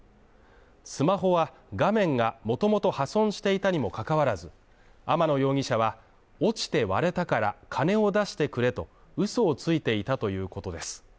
スマホは画面が元々破損していたにもかかわらず、天野容疑者は落ちて割れたから金を出してくれと嘘をついていたということです。